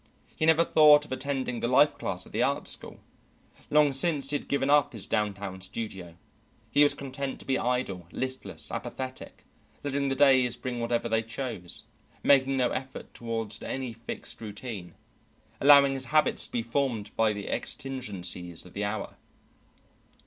He never thought of attending the life class at the art school; long since he had given up his downtown studio. He was content to be idle, listless, apathetic, letting the days bring whatever they chose, making no effort toward any fixed routine, allowing his habits to be formed by the exigencies of the hour.